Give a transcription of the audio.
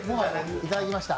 いただきました。